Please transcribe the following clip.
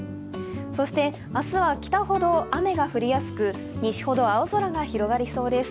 そして明日は北ほど雨が降りやすく西ほど、青空が広がりそうです。